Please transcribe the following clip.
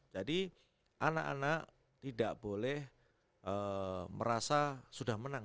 jadi anak anak tidak boleh merasa sudah menang